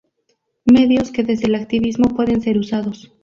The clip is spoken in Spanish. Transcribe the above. medios que desde el activismo pueden ser usados